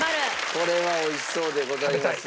これは美味しそうでございます。